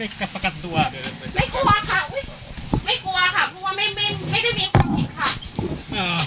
ไม่กลัวค่ะเพราะว่าไม่ได้มีผิดค่ะ